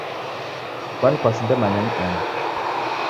Kwani kwasindemanya ni ani?